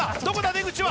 出口は。